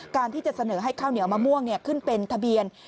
การที่จะเสนอให้ข้าวเหนียวมะม่วงขึ้นเป็นทะเบียน